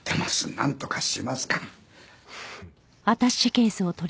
なんとかしますから。